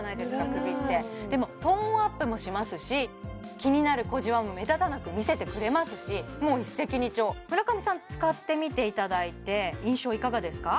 首ってでもトーンアップもしますし気になる小じわも目立たなく見せてくれますしもう一石二鳥村上さん使ってみていただいて印象いかがですか？